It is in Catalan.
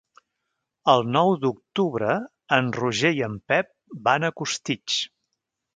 El nou d'octubre en Roger i en Pep van a Costitx.